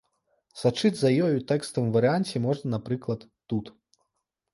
Сачыць за ёй у тэкставым варыянце можна, напрыклад, тут.